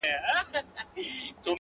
چي د ملا خبري پټي ساتي.